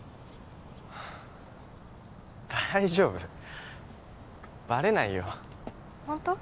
大丈夫バレないよホント？